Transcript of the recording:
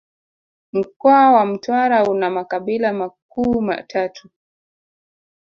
Mkoa wa Mtwara una makabila makuu matatu